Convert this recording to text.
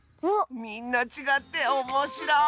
みんなちがっておもしろい！